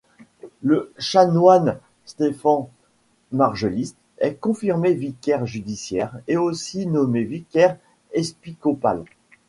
Le chanoine Stefan Margelist est confirmé vicaire judiciaire et aussi nommé vicaire épiscopal.